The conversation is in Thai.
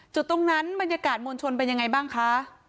จุดตรงนั้นบรรยากาศมวลชนเป็นยังไงบ้างคะ